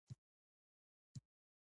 بل خوا د کارګرانو د مزد کموالی دی